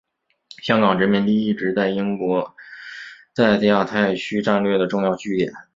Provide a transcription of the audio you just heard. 香港殖民地一直是英国在亚太区战略的重要据点。